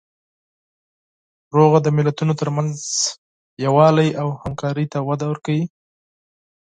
سوله د ملتونو تر منځ اتحاد او همکاري ته وده ورکوي.